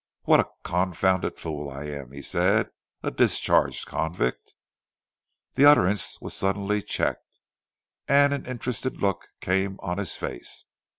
"What a confounded fool I am!" he said. "A discharged convict " The utterance was suddenly checked; and an interested look came on his face.